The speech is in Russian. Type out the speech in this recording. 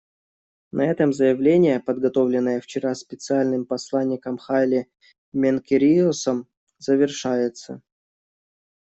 На этом заявление, подготовленное вчера Специальным посланником Хайле Менкериосом, завершается.